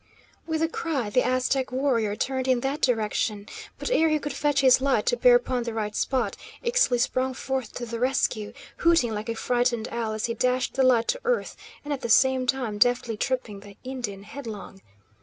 With a cry the Aztec warrior turned in that direction, but ere he could fetch his light to bear upon the right spot, Ixtli sprung forth to the rescue, hooting like a frightened owl, as he dashed the light to earth, and, at the same time, deftly tripping the Indian headlong.